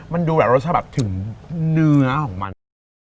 มันดูแบบรสชาติแบบถึงเนื้อของมัน